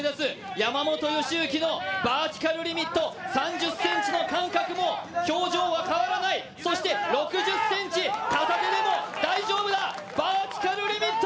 山本良幸のバーティカルリミット３０ｃｍの間隔も表情は変わらない、そして６０ｃｍ、片手でも大丈夫だ、バーティカルリミット。